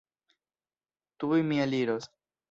Tuj mi eliros.